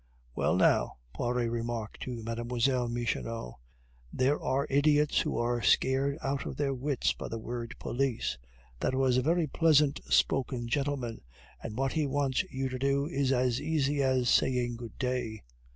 "Well, now," Poiret remarked to Mlle. Michonneau, "there are idiots who are scared out of their wits by the word police. That was a very pleasant spoken gentleman, and what he wants you to do is as easy as saying 'Good day.